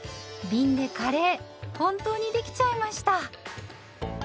びんでカレー本当にできちゃいました。